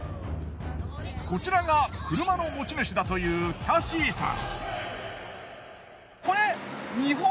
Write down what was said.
こちらが車の持ち主だというキャシーさん。